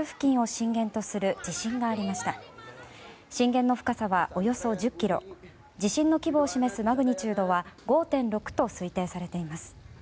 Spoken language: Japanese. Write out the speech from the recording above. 震源の深さはおよそ１０ｋｍ地震の規模を示すマグニチュードは５．６と推定されています。